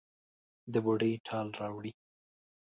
د بوډۍ ټال راوړي